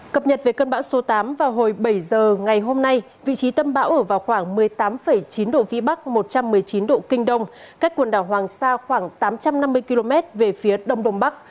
cập nhật về cơn bão số tám vào hồi bảy giờ ngày hôm nay vị trí tâm bão ở vào khoảng một mươi tám chín độ vĩ bắc một trăm một mươi chín độ kinh đông cách quần đảo hoàng sa khoảng tám trăm năm mươi km về phía đông đông bắc